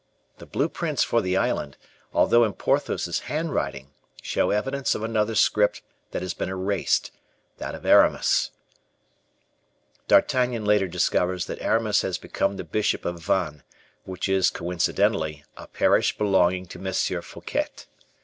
The blueprints for the island, although in Porthos's handwriting, show evidence of another script that has been erased, that of Aramis. D'Artagnan later discovers that Aramis has become the bishop of Vannes, which is, coincidentally, a parish belonging to M. Fouquet.